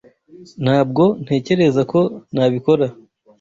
Ntabwo ntekereza ko nabikora.